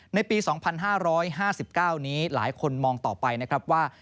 ในปี๒๕๕๙นี้หลายคนมองต่อไปนะครับว่า